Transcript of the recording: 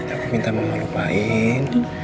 aku minta mama lupain